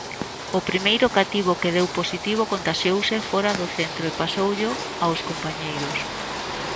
O primeiro cativo que deu positivo contaxiouse fóra do centro e pasoullo aos compañeiros.